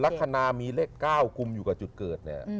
ลักษณะมีเลข๙คุมอยู่กับจุดเกิดเนี่ย